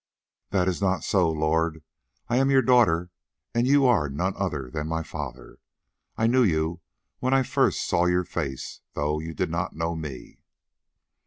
"That is not so, lord. I am your daughter, and you are none other than my father. I knew you when I first saw your face, though you did not know me."